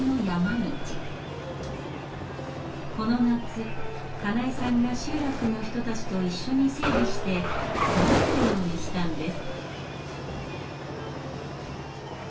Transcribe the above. この夏金井さんが集落の人たちと一緒に整備して通れるようにしたんです。